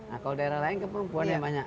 nah kalau daerah lain ke perempuan yang banyak